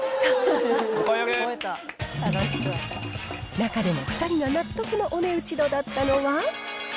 中でも２人が納得のお値打ち度だったのは？